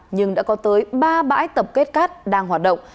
nhưng đã có tới ba bãi tập kết cát đang hoạt động